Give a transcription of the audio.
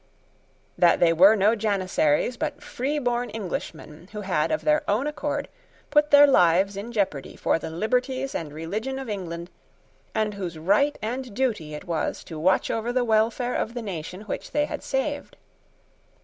That they were no janissaries, but freeborn Englishmen, who had, of their own accord, put their lives in jeopardy for the liberties and religion of England, and whose right and duty it was to watch over the welfare of the nation which they had saved.